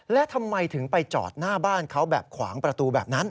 และทำไมถึงไปจอดหน้าบ้านเขาแบบขวางประตูแบบนั้น